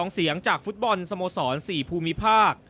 ๒เสียงจากฟุตบอลสโมสร๔ภูมิภาค